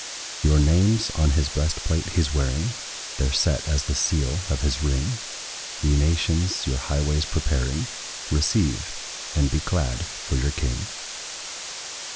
Your names on his breastplate he 's wearing; They 're set as the seal of his ring; Ye nations, your highways preparing, Receive, and be glad in your King!